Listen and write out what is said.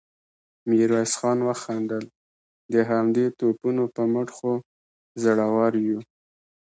ميرويس خان وخندل: د همدې توپونو په مټ خو زړور يو.